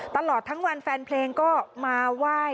ตลอดทั้งวันแฟนเพลงก็มาไหว้